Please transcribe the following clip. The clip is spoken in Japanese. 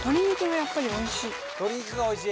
鶏肉がおいしい。